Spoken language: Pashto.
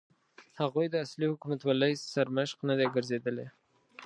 هغوی د اصلي حکومتولۍ سرمشق نه دي ګرځېدلي.